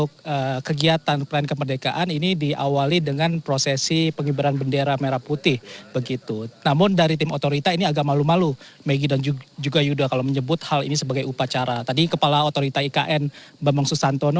kegiatan dikuburkan oleh kepala otorita ikn bambang suyantono